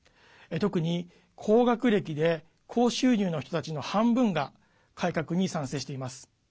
特に、高学歴で高収入の人たちの半分が改革に賛成しています。